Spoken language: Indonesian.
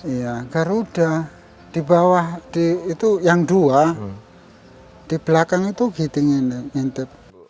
iya garuda di bawah itu yang dua di belakang itu giting ngintip